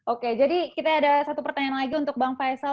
oke jadi kita ada satu pertanyaan lagi untuk bang faisal